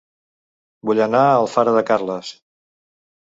Vull anar a Alfara de Carles